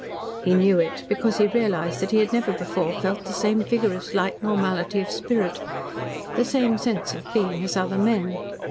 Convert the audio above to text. He knew it because he realised that he had never before felt the same vigorous, light normality of spirit, the same sense of being as other men.